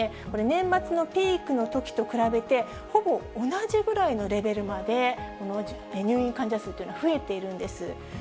これ、年末のピークのときと比べて、ほぼ同じぐらいのレベルまで入院患者数というのが増えているんです。